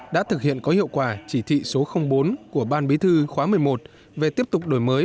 đã thực hiện có hiệu quả chỉ thị số bốn của ban bí thư khóa một mươi một về tiếp tục đổi mới